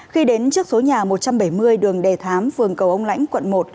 khi đến trước số nhà một trăm bảy mươi đường đề thám phường cầu ông lãnh quận một